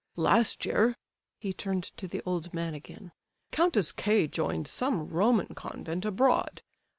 Last year,"—he turned to the old man again,—"Countess K. joined some Roman Convent abroad.